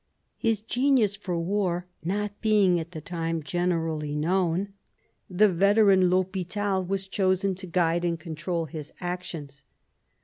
His genius for war not being at the time generally known, the veteran THdpital was chosen to guide and control his actions.